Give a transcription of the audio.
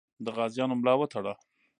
د غازیانو ملا وتړه.